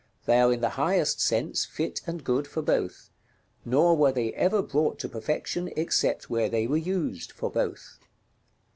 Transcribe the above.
They are in the highest sense fit and good for both, nor were they ever brought to perfection except where they were used for both.